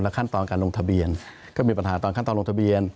ขั้นตอนการลงทะเบียนก็มีปัญหาตอนขั้นตอนลงทะเบียน